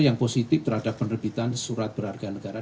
yang positif terhadap penerbitan surat berharga negara